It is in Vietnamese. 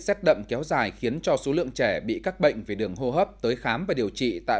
xét đậm kéo dài khiến cho số lượng trẻ bị các bệnh về đường hô hấp tới khám và điều trị tại